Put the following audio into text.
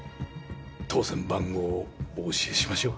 当選番号をお教えしましょう。